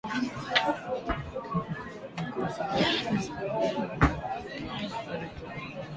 Kikosi hicho ni sehemu ya idadi kubwa ya wanajeshi elfu tano